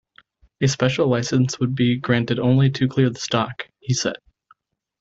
A special license would be granted only to clear the stock, he said.